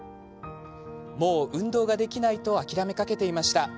もう運動ができないと諦めかけていました。